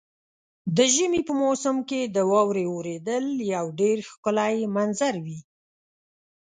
د ژمي په موسم کې د واورې اورېدل یو ډېر ښکلی منظر وي.